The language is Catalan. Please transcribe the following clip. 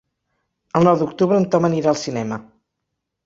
El nou d'octubre en Tom anirà al cinema.